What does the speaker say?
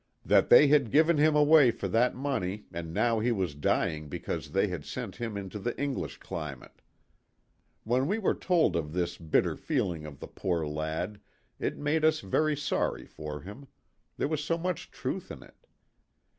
That they had given him away for that money and now he was dying because they had sent him into the English climate. When we were told of this bitter feeling of the poor lad it made us very sorry for him there was so much truth in it.